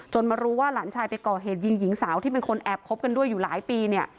มารู้ว่าหลานชายไปก่อเหตุยิงหญิงสาวที่เป็นคนแอบคบกันด้วยอยู่หลายปีเนี่ย